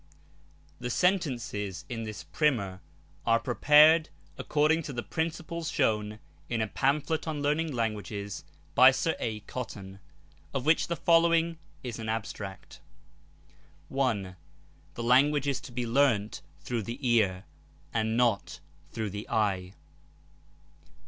The sentences in this Primer are prepared according to the principles shown in a pamphlet on learning languages, by Sir A. Cotton, of which the following is an abstract. 1. The language is to be learnt through the ear, and not through the eye.